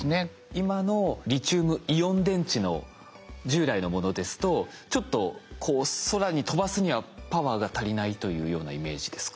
今のリチウムイオン電池の従来のものですとちょっと空に飛ばすにはパワーが足りないというようなイメージですか？